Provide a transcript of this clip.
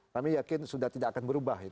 kami yakin sudah tidak akan berubah